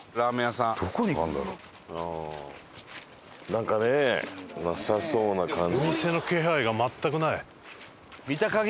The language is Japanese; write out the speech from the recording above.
なんかねなさそうな感じ。